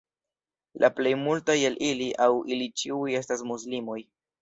La plej multaj el ili aŭ ili ĉiuj estas muslimoj.